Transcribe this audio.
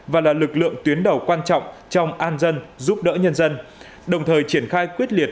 và là lực lượng tuyến đầu quan trọng trong an dân giúp đỡ nhân dân đồng thời triển khai quyết liệt